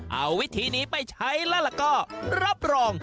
เอาวิธีนี้ไปใช้แล้วก็รับรอง